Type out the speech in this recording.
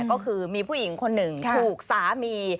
ก็คือมีผู้หญิงคนหนึ่งถูกสามี